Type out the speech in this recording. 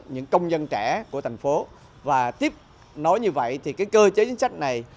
những công nhân trẻ của thành phố và tiếp nói như vậy thì cái cơ chế chính sách này